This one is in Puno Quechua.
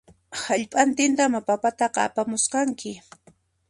Hallp'antintamá papataqa apamusqanki